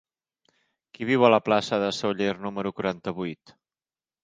Qui viu a la plaça de Sóller número quaranta-vuit?